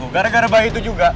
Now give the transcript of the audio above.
gara gara baik itu juga